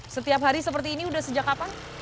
setiap hari seperti ini sudah sejak kapan